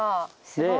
すごい。